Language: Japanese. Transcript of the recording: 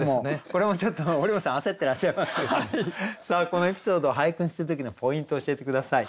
さあこのエピソードを俳句にする時のポイントを教えて下さい。